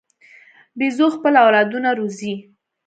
بیزو خپل اولادونه روزي.